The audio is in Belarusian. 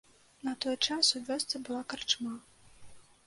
На той час у вёсцы была карчма.